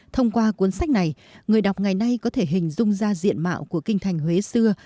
thông qua cuốn sách này người đọc ngày nay có thể hình dung ra diện mạo của kinh thành huế xưa